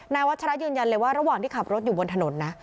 วัชระยืนยันเลยว่าระหว่างที่ขับรถอยู่บนถนนนะ